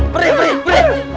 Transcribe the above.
terima bung bunanta